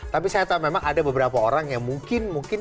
tapi saya tahu memang ada beberapa orang yang mungkin mungkin